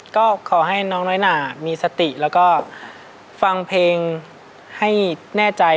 ก็ขอให้น้องน้อยหนามีสติแล้วก็ฟังเพลงให้แน่ใจ